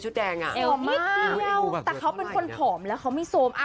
ชุดแดงอ่ะเอวมากแต่เขาเป็นคนถอมแล้วเขาไม่โซมอ่า